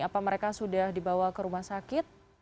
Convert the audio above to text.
apa mereka sudah dibawa ke rumah sakit